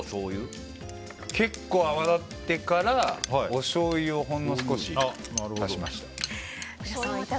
結構、泡立ってからおしょうゆをほんの少し足しました。